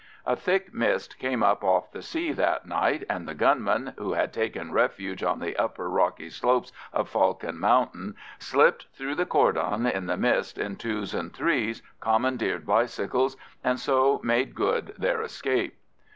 A thick mist came up off the sea that night, and the gunmen, who had taken refuge on the upper rocky slopes of Falcon Mountain, slipped through the cordon in the mist in twos and threes, commandeered bicycles, and so made good their escape.